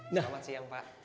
selamat siang pak